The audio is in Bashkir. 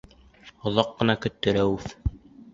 Оҙаҡ ҡына көттө Рәүеф.